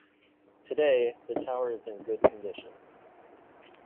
Today, the tower is in good condition.